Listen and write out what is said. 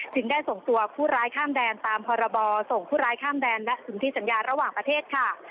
ได้ส่งตัวผู้ร้ายข้ามแดนตามพรบส่งผู้ร้ายข้ามแดนและถึงที่สัญญาระหว่างประเทศค่ะ